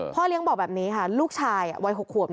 พ่อเลี้ยงบอกแบบนี้ค่ะลูกชายวัย๖ขวบ